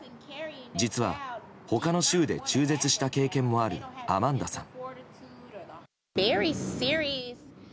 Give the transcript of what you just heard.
実は、他の州で中絶した経験もあるアマンダさん。